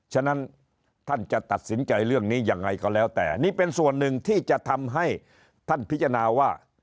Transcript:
ฉะนั้นท่านจะตัดสินใจเรื่องนี้ยังไงก็แล้วแต่นี่เป็นส่วนหนึ่งที่จะทำให้ท่านพิจารณาว่า